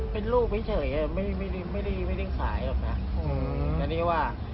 เป็นรูปไม่เฉยไม่ได้ไม่ได้ไม่ได้ขายออกนะอืมแล้วนี่ว่า